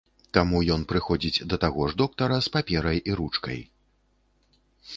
Таму ён прыходзіць да таго ж доктара з паперай і ручкай.